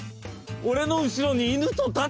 俺の後ろに犬と立つな！